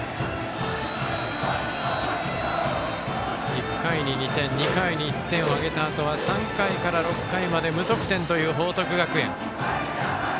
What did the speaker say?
１回に２点２回に１点を挙げたあとは３回から６回まで無得点という報徳学園。